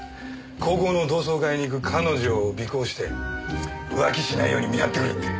高校の同窓会に行く彼女を尾行して浮気しないように見張ってくれって。